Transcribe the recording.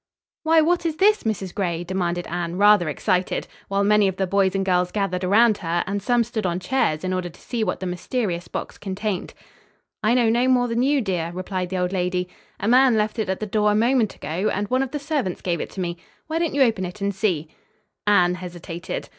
"Why, what is this, Mrs. Gray?" demanded Anne, rather excited, while many of the boys and girls gathered around her and some stood on chairs in order to see what the mysterious box contained. "I know no more than you, dear," replied the old lady. "A man left it at the door a moment ago, and one of the servants gave it to me. Why don't you open it and see?" Anne hesitated.